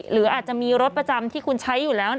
หรืออาจจะมีรถประจำที่คุณใช้อยู่แล้ว